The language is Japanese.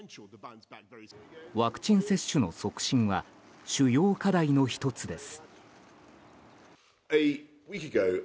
ワクチン接種の促進は主要課題の１つです。